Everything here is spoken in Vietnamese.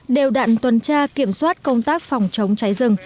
đều đạn tuần tra kiểm soát công tác phòng chống cháy rừng